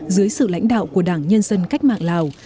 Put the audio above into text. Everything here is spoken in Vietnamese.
dưới sự lãnh đạo của đảng nhân dân cách mạng lào